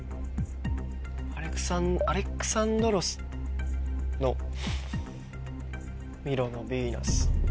アレクサンドロスの「ミロのヴィーナス」。